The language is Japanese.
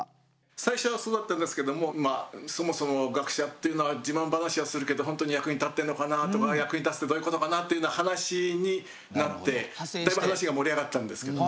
最初はそうだったんですけどもそもそも学者っていうのは自慢話はするけど本当に役に立ってんのかなとか役に立つってどういうことかなっていうような話になってだいぶ話が盛り上がったんですけど。